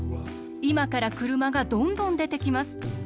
いまから車がどんどんでてきます。